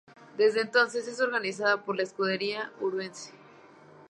Desde entonces es organizada por la Escudería Ourense.